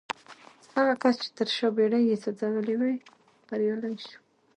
هغه کس چې تر شا بېړۍ يې سوځولې وې بريالی شو.